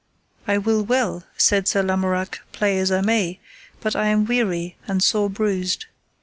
I will well, said Sir Lamorak, play as I may, but I am weary and sore bruised.